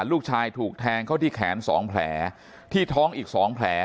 ลูกชายถูกแทงเข้าที่แขนสองแผลที่ท้องอีก๒แผล